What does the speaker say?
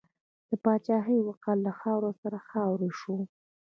د پاچاهۍ وقار له خاورو سره خاورې شو.